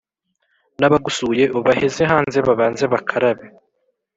N’abagusuye ubaheze hanze babanze bakarabe